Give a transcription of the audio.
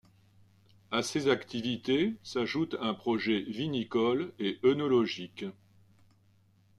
À ces activités s’ajoute un projet vinicole et œnologique.